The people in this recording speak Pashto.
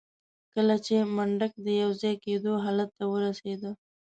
کله چې منډک د يوځای کېدو حالت ته ورسېده.